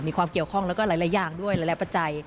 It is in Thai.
มีความเกี่ยวข้องแล้วก็หลายอย่างด้วยหลายปัจจัย